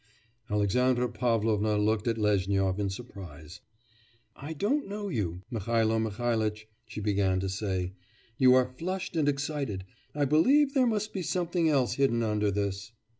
Alexandra Pavlovna looked at Lezhnyov in surprise. 'I don't know you, Mihailo Mihailitch,' she began to say. 'You are flushed and excited. I believe there must be something else hidden under this.